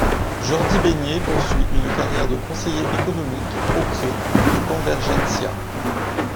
Jordi Baiget poursuit une carrière de conseiller économique auprès de Convergència.